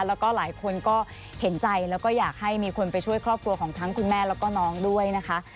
แล้วก็หลายคนก็เห็นใจแล้วก็อยากให้มีคนไปช่วยครอบครัวของทั้งคุณแม่แล้วก็น้องด้วยนะคะ